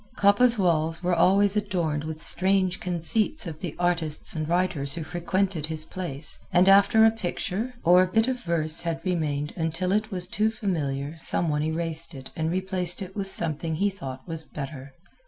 Coppa's walls were always adorned with strange conceits of the artists and writers who frequented his place, and after a picture, or a bit of verse had remained until it was too familiar some one erased it and replaced it with something he thought was better.